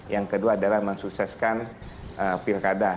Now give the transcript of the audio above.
yang kedua adalah mensukseskan pilkada